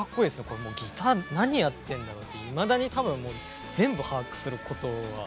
これギター何やってるんだろうっていまだに多分全部把握することは。